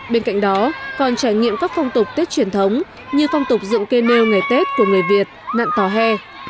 bên cạnh đó còn trải nghiệm các phong tục tết truyền thống như phong tục dựng cây nêu ngày tết của người việt nạn tòa hè